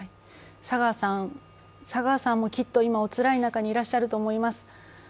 佐川さん、佐川さんもきっと今おつらい中にいらっしゃると思います。